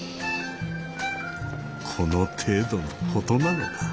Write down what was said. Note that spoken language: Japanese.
この程度のことなのだ。